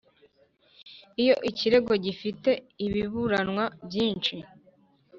Iyo ikirego gifite ibiburanwa byinshi